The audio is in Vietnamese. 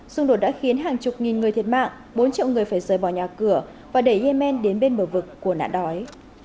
xung đột đã khiến hàng chục nghìn người thiệt mạng bốn triệu người phải rời bỏ nhà cửa và đẩy yemen đến bên bờ vực của nạn đói